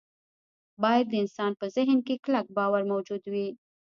باید د انسان په ذهن کې کلک باور موجود وي